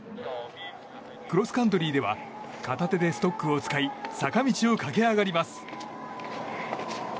クロスカントリーでは片手でストックを使い坂道を駆け上がります。